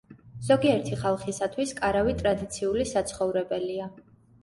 ზოგიერთი ხალხისათვის კარავი ტრადიციული საცხოვრებელია.